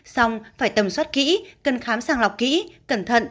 xong phải tầm soát kỹ cần khám sàng lọc kỹ cẩn thận